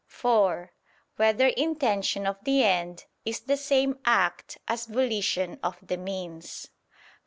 (4) Whether intention of the end is the same act as volition of the means?